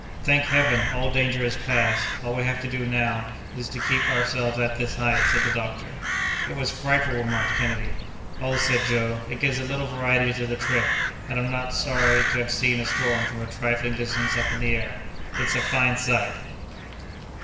"Thank Heaven, all danger is past; all we have to do now, is, to keep ourselves at this height," said the doctor. "It was frightful!" remarked Kennedy. "Oh!" said Joe, "it gives a little variety to the trip, and I'm not sorry to have seen a storm from a trifling distance up in the air. It's a fine sight!"